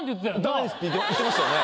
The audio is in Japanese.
ダメですって言ってましたよね。